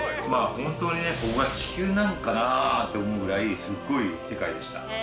本当にここが地球なんかなって思うぐらいすごい世界でした。